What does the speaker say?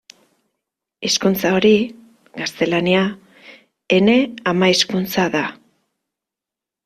Hizkuntza hori, gaztelania, ene ama-hizkuntza da.